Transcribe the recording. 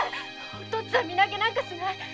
お父っつぁんは身投げなんかしない。